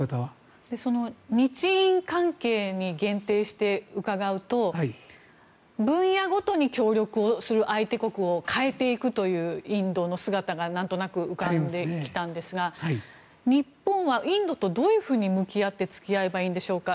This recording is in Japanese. その日印関係に限定して伺うと分野ごとに協力をする相手国を変えていくというインドの姿がなんとなく浮かんできたんですが日本はインドとどういうふうに向き合って付き合えばいいんでしょうか。